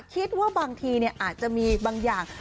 คิดว่าบางทีอาจจะมีบางอย่าง